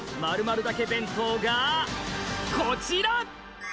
○○だけ弁当がこちら！